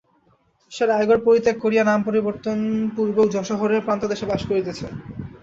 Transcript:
সে রায়গড় পরিত্যাগ করিয়া নাম-পরিবর্তন-পূর্বক যশোহরের প্রান্তদেশে বাস করিতেছে।